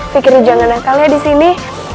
fikri jangan akalnya di sini